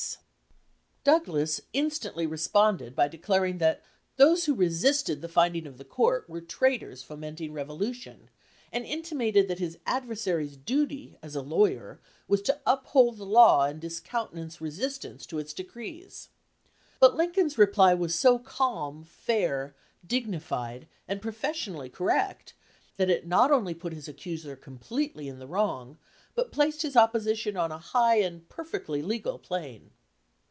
272 LAW IN THE DEBATE Douglas instantly responded by declaring that those who resisted the finding of the court were traitors fomenting revolution, and intimated that his adversary's duty as a lawyer was to up hold the law and discountenance resistance to its decrees. But Lincoln's reply was so calm, fair, dignified, and professionally correct that it not only put his accuser completely in the wrong, but placed his opposition on a high and perfectly legal plane.